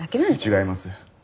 違います。